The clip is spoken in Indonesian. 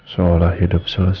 seolah hidup selesai